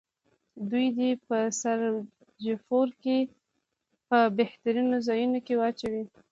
دوی دې په سراجپور کې په بهترینو ځایونو کې واچوي.